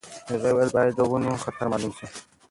هغې وویل باید د ونو خطر مالوم شي.